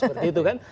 seperti itu kan